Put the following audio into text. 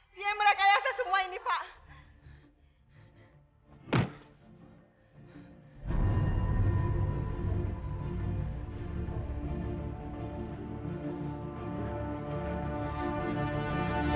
dia yang merayakan saya semua ini pak